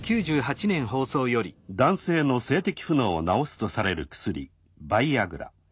「男性の性的不能を治すとされる薬バイアグラ。